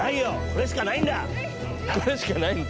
これしかない。